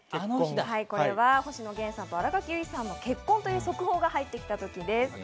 星野源さんと新垣結衣さんの結婚という速報が入ってきたときです。